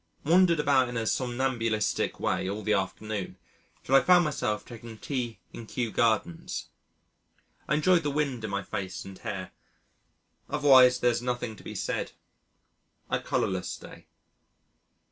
Wandered about in a somnambulistic way all the afternoon till I found myself taking tea in Kew Gardens. I enjoyed the wind in my face and hair. Otherwise there is nothing to be said a colourless day.